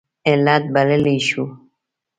علت بللی شو.